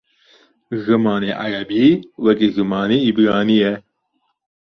Zimanê erebî wekî zimanê îbranî ye.